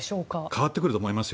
変わってくると思います。